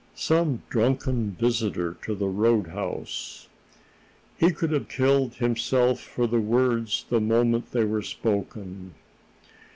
"Some drunken visitor to the road house." He could have killed himself for the words the moment they were spoken.